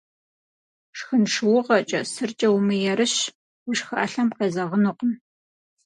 Шхын шыугъэкӏэ, сыркӏэ умыерыщ, уи шхалъэм къезэгъынукъым.